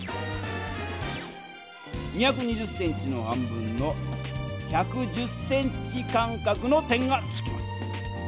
２２０ｃｍの半分の１１０ｃｍ間かくの点がつきます。